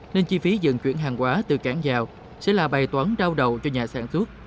nên chi phí dần chuyển hàng quá từ cảng sẽ là bài toán đau đầu cho nhà sản xuất